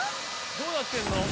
どうなってんの？